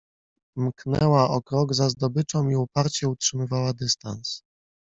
mknęła o krok za zdobyczą i uparcie utrzymywała dystans.